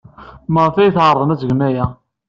Maɣef ay tɛerḍem ad tgem aya?